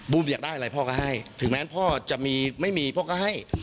อยากได้อะไรพ่อก็ให้ถึงแม้พ่อจะมีไม่มีพ่อก็ให้